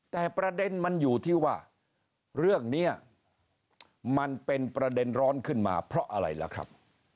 แต่ประเด็นมันอยู่ที่ว่าเรื่องนี้มันเป็นประเด็นร้อนขึ้นมาเพราะอะไรล่ะครับ